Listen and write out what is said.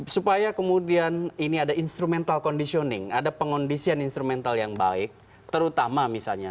supaya kemudian ini ada instrumental conditioning ada pengondisian instrumental yang baik terutama misalnya